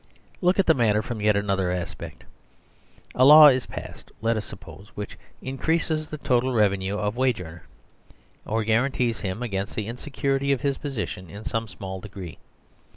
Look at the matter from yet another aspect. A law is passed (let us suppose) which increases the total revenue of a wage earner, or guarantees him against the insecurity of his position in some small degree.